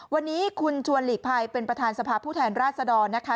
วันนี้คุณชวนหลีกภัยเป็นประธานสภาพผู้แทนราชดรนะคะ